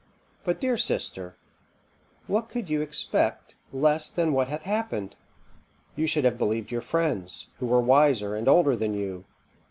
But, dear sister, what could you expect less than what hath happened? you should have believed your friends, who were wiser and older than you.